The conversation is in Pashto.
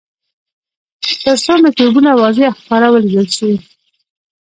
تر څو مکروبونه واضح او ښکاره ولیدل شي.